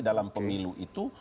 dalam pemilu itu